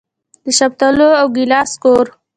د شفتالو او ګیلاس کور.